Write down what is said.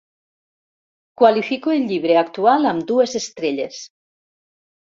qualifico el llibre actual amb dues estrelles